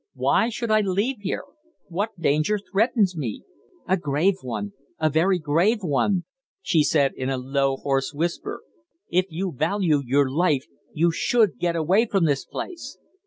"Why should I leave here? What danger threatens me?" "A grave one a very grave one," she said in a low, hoarse whisper. "If you value your life you should get away from this place."